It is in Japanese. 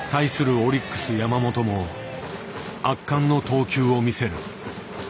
オリックス山本も圧巻の投球を見せる。